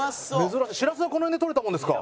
しらすはこの辺でとれたものですか？